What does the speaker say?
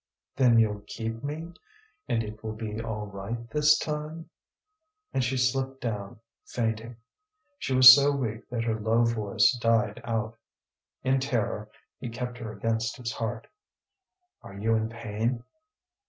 "Then you'll keep me, and it will be all right this time?" And she slipped down fainting. She was so weak that her low voice died out. In terror he kept her against his heart. "Are you in pain?"